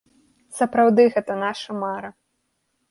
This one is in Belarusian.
Сапраўды гэта наша мара!